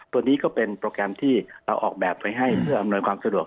ตัวนี้ก็เป็นโปรแกรมที่เราออกแบบไปให้เพื่ออำนวยความสะดวก